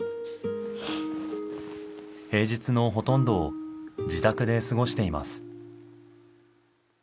平日のほとんどを自宅で過ごしています。